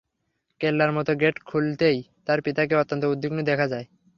কেল্লার মত গেট খুলতেই তার পিতাকে অত্যন্ত উদ্বিগ্ন দেখা যায়।